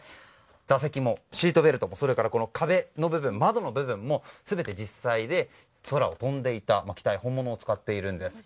座席もシートベルトも壁の部分も窓の部分も全て実際に空を飛んでいた機体本物を使っているんです。